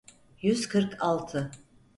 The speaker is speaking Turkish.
Yüz kırk altı.